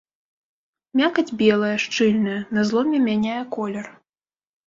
Мякаць белая, шчыльная, на зломе мяняе колер.